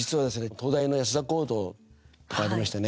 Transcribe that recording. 東大の安田講堂ってありましたね